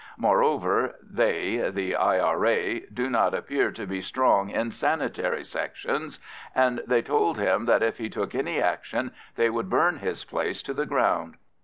Moreover, they, the I.R.A., do not appear to be strong in sanitary sections. And they told him that if he took any action they would burn his place to the ground.